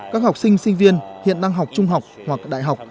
các học sinh sinh viên hiện đang học trung học